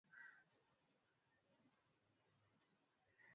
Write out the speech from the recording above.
apo kuna matukio ya wizi wakura